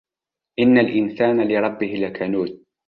إن الإنسان لربه لكنود